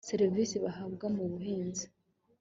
serivisi bahabwa mu buhinzi